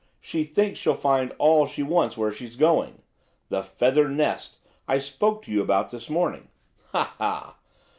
She thinks she'll find all she wants where she's going–'the feathered nest' I spoke to you about this morning. Ha! ha!